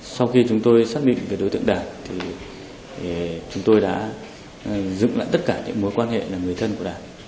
sau khi chúng tôi xác định về đối tượng đạt thì chúng tôi đã dựng lại tất cả những mối quan hệ là người thân của đạt